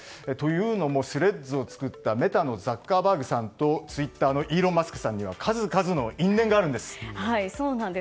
というのもＴｈｒｅａｄｓを作ったメタのザッカーバーグさんとツイッターのイーロン・マスクさんには数々の因縁があるんです。